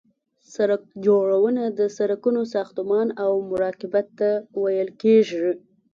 سرک جوړونه د سرکونو ساختمان او مراقبت ته ویل کیږي